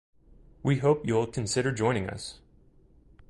We hope you’ll consider joining us!